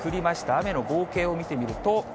雨の合計を見てみると。